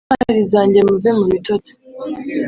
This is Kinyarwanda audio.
Ntwari zange muve mubitotsi.